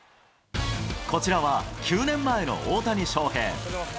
こちらは９年前の大谷翔平。